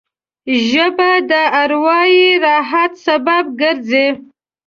ژبه د اروايي راحت سبب کېږي